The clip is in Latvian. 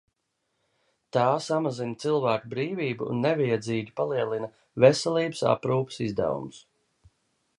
Tā samazina cilvēku brīvību un nevajadzīgi palielina veselības aprūpes izdevumus.